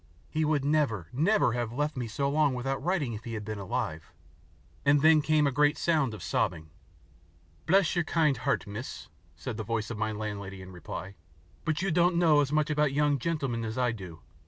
He would never, never have left me so long without writing if he had been alive," and then came a great sound of sobbing. "Bless your kind heart, miss," said the voice of my landlady in reply, "but you don't know as much about young gentlemen as I do.